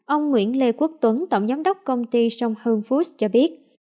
ông nguyễn lê quốc tuấn tổng giám đốc công ty sông hương food cho biết